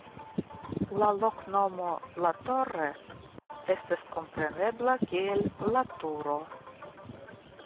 La loknomo "La Torre" estas komprenebla kiel "La Turo".